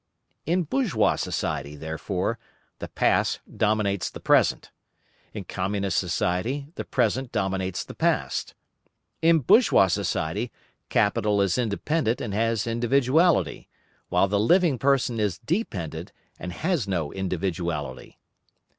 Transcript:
In bourgeois society, therefore, the past dominates the present; in Communist society, the present dominates the past. In bourgeois society capital is independent and has individuality, while the living person is dependent and has no individuality.